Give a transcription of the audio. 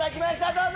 どうぞ！